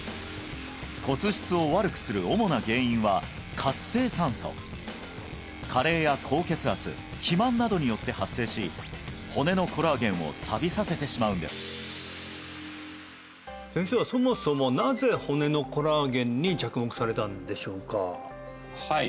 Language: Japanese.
骨質を悪くする主な原因は活性酸素加齢や高血圧肥満などによって発生し骨のコラーゲンをサビさせてしまうんです先生はそもそもなぜ骨のコラーゲンに着目されたんでしょうか？